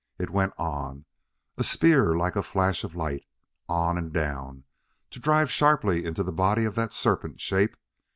It went on, a spear like a flash of light on and down, to drive sharply into the body of that serpent shape!